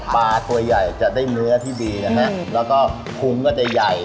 ตัวใหญ่จะได้เนื้อที่ดีนะฮะแล้วก็ภูมิก็จะใหญ่